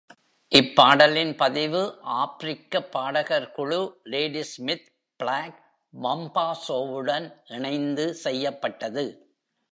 இப்பாடலின் பதிவு ஆப்ரிக்க பாடகர் குழு லேடிஸ்மித் ப்ளாக் மம்பாசோவுடன் இணைந்து செய்யப்பட்டது.